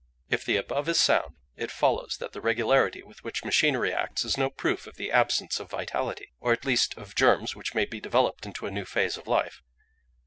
"If the above is sound, it follows that the regularity with which machinery acts is no proof of the absence of vitality, or at least of germs which may be developed into a new phase of life.